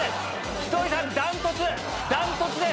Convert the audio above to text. ひとりさん断トツです！